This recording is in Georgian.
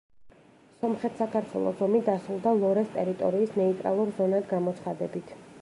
სომხეთ-საქართველოს ომი დასრულდა ლორეს ტერიტორიის ნეიტრალურ ზონად გამოცხადებით.